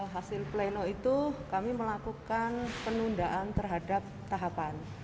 hasil pleno itu kami melakukan penundaan terhadap tahapan